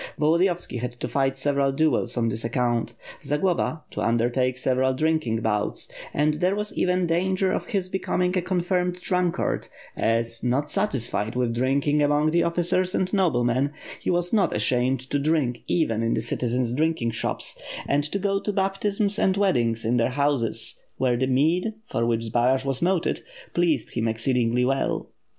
Volodiyovski had to fight several duels on this account; Zagloba^ to under take several drinking bouts; and there was even danger of his becoming a confirmed drunkard, as, not satisfied with drinking among the officers and noblemen, he was not ashamed to drink even in the citizen's drinking shops; and to go to baptisms and weddings in their houses, where the mead, for which Zbaraj was noted, pleased him exceedingly well.